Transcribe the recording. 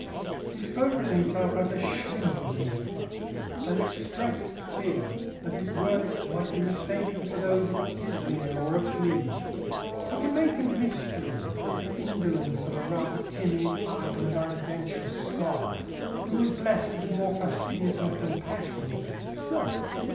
He spoke of himself as a "shrimp of an author," and expressed the fear that his works might be mistaken for those of "a pismire or a flea." But to make a mystery of the indolence of a rather timid, idle, and unadventurous scholar, who was blessed with more fastidiousness than passion, is absurd.